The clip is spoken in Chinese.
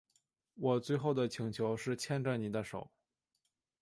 我最后的请求是牵着妳的手